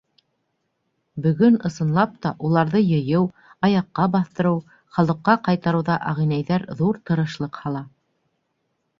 Бөгөн, ысынлап та, уларҙы йыйыу, аяҡҡа баҫтырыу, халыҡҡа ҡайтарыуҙа ағинәйҙәр ҙур тырышлыҡ һала.